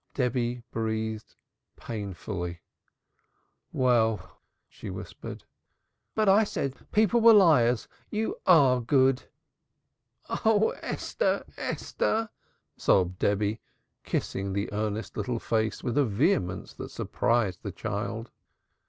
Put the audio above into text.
Debby breathed painfully. "Well!" she whispered. "But I said people were liars. You are good!" "Oh, Esther, Esther!" sobbed Debby, kissing the earnest little face with a vehemence that surprised the child.